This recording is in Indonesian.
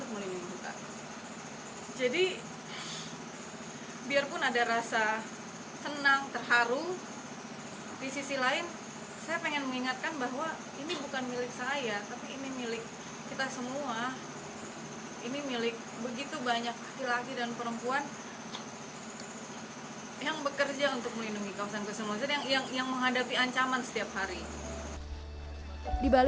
mereka yang menghadapi bahaya